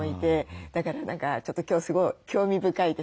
だから何かちょっと今日すごい興味深いです。